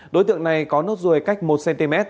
đối tượng này có nốt ruồi cách một cm